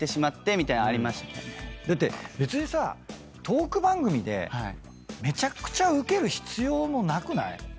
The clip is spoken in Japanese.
だって別にさトーク番組でめちゃくちゃウケる必要もなくない？